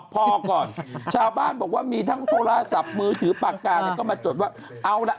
พอก่อนชาวบ้านบอกว่ามีทั้งโทรศัพท์มือถือปากกาเนี่ยก็มาจดว่าเอาล่ะ